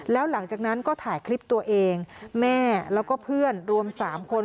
แล้วหลังจากนั้นก็ถ่ายคลิปตัวเองแม่แล้วก็เพื่อนรวม๓คน